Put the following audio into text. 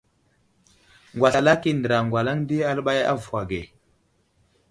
Ŋgwaslalak i andəra gwalaŋ di aləɓay avohw age.